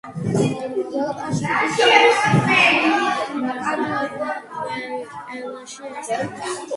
მირონი მზადდება ყველა დამოუკიდებელ ეკლესიაში, ეს არის ეკლესიის ავტოკეფალიის ერთ-ერთი ნიშანი.